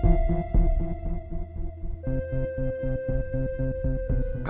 karena kita harus kembali ke rumah